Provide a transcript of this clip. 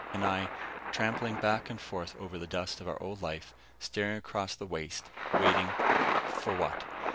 And I, trampling back and forth over the dust of our old life, staring across the waste, waiting for what?